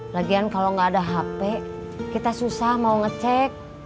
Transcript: lagian kalau nggak ada hp kita susah mau ngecek